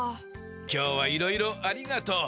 今日はいろいろありがとう。